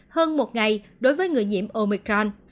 hơn một ngày đối với người nhiễm omicron